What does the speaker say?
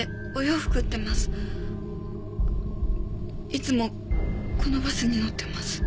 いつもこのバスに乗ってます。